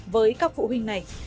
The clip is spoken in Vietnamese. với các phụ huynh này